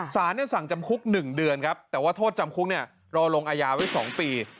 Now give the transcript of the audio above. สารสั่งจำคุก๑เดือนครับแต่ว่าโทษจำคุกเนี่ยรอลงอายาไว้๒ปี